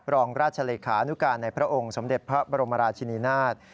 รองราชเลขานุการในพระองค์สมเด็จพระบรมราชินินาศ